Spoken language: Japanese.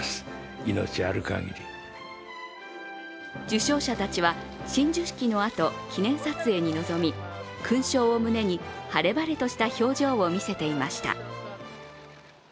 受章者たちは親授式のあと記念撮影に臨み、勲章を胸に晴れ晴れとした表情を見せていました。